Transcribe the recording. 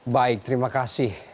baik terima kasih